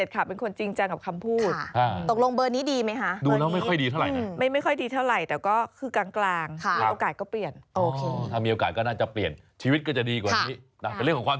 กึ่งกึ่งครับกึ่งกึ่งเหมือนกัน